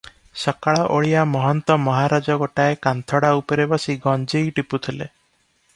ସକାଳଓଳିଆ ମହନ୍ତ ମହାରାଜ ଗୋଟାଏ କାନ୍ଥଡ଼ା ଉପରେ ବସି ଗଞ୍ଜେଇ ଟିପୁଥିଲେ ।